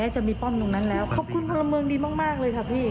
ขอบคุณพลเมืองดีมากเลยค่ะพี่